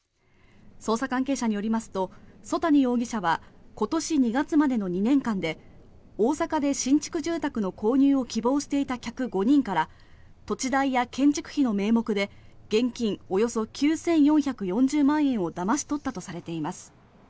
捜査関係者によりますと曽谷容疑者は今年２月までの２年間で大阪で新築住宅の購入を希望していた客５人から土地代や建築費の名目で現金およそ９４４０万円をだまし取ったとされています。